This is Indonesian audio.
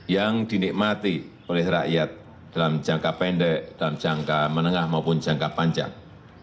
yang dinikmati oleh rakyat dalam jangka pendek dalam jangka menengah maupun jangka panjang